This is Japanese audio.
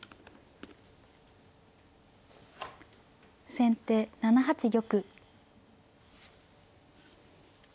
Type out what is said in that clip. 先手７八玉。